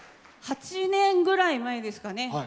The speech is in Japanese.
８年ぐらい前ですかね。